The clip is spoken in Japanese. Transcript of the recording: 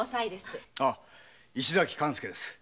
石崎勘助です。